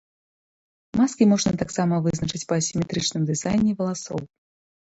Маскі можна таксама вызначыць па асіметрычным дызайне валасоў.